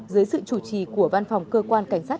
dưới sự chủ trì của văn phòng cơ quan cảnh sát